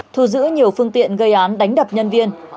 thu giữ nhiều phương tiện gây án đánh đập nhân viên